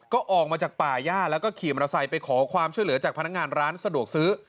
ก็ออกมาจากป่าย่าแล้วก็ขี่มอเตอร์ไซค์ไปขอความช่วยเหลือจากพนักงานร้านสะดวกซื้อ